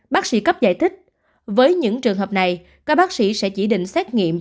bác sĩ cấp giải thích với những trường hợp này các bác sĩ sẽ chỉ định xét nghiệm